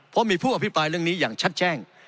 เพราะมีผู้อภิปรายเรื่องนี้อย่างชัดแจ้ง